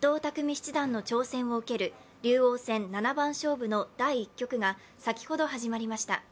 七段の挑戦を受ける竜王戦七番勝負の第１局が先ほど始まりました。